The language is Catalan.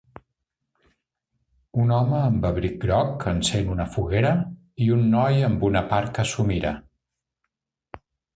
Un home amb abric groc encén una foguera i un noi amb una parca s'ho mira.